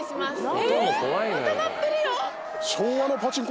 ええっまた鳴ってるよ。